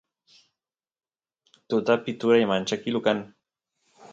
tutapi turay manchkilu kan